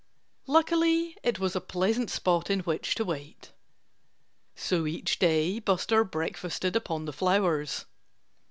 Luckily it was a pleasant spot in which to wait. So each day Buster breakfasted upon the flowers.